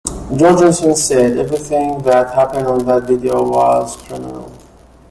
Jourgensen said, Everything that happened on that video was criminal.